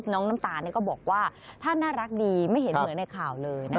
น้ำตาลก็บอกว่าท่านน่ารักดีไม่เห็นเหมือนในข่าวเลยนะคะ